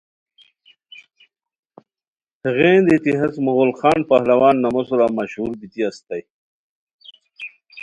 ہیغین دیتی ہیس مغل خان پہلوان نامو سورا مشہور بیتی اسیتائے